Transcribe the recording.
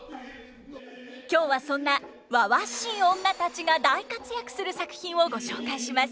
今日はそんなわわしい女たちが大活躍する作品をご紹介します。